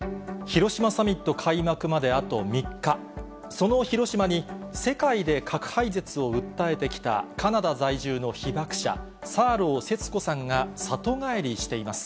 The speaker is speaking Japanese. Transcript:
その広島に、世界で核廃絶を訴えてきたカナダ在住の被爆者、サーロー節子さんが里帰りしています。